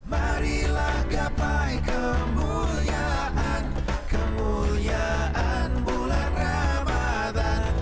marilah gapai kemuliaan kemuliaan bulan ramadhan